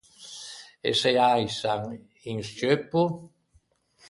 E se aisan un scceuppo?